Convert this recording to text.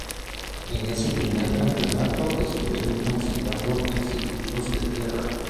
En ese primer campeonato estuvieron transitando en circuitos de tierra.